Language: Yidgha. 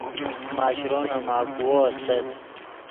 ماشرو نے ماکوؤ استت